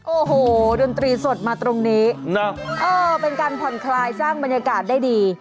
โอ้โหดนตรีสดมาตรงนี้นะเออเป็นการผ่อนคลายสร้างบรรยากาศได้ดี